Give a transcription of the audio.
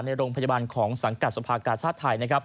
ในโรงพยาบันของสังกัดสรรพากรชาติไทย